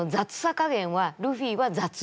加減はルフィは雑。